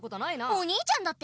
おにいちゃんだって。